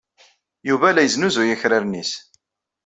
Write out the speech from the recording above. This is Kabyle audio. Yuba la yesnuzuy akraren-nnes.